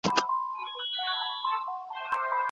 ولي د قدرت لاسته راوړل دومره زړه راښکونکي دي؟